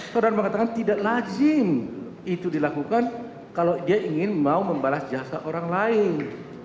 saudara mengatakan tidak lazim itu dilakukan kalau dia ingin mau membalas jasa orang lain